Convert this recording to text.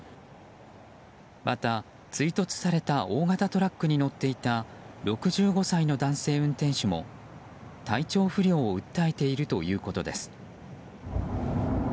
また、追突された大型トラックに乗っていた６５歳の男性運転手も体調不良を訴えているということです。